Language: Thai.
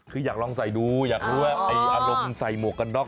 คืออยากลองใส่ดูอยากรู้ว่าไอ้อารมณ์ใส่หมวกกันน็อก